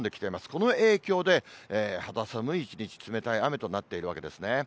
この影響で、肌寒い一日、冷たい雨となっているわけですね。